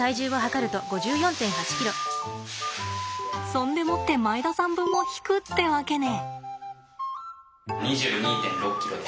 そんでもって前田さん分を引くってわけね。